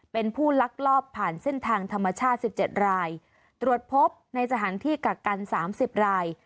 เป็นผู้ลักลอบผ่านเส้นทางธรรมชาติ๑๗รายตรวจพบในสถานที่กักกัน๓๐ราย